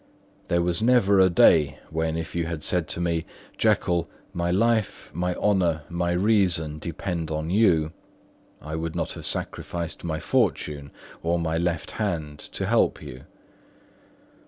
There was never a day when, if you had said to me, 'Jekyll, my life, my honour, my reason, depend upon you,' I would not have sacrificed my left hand to help you.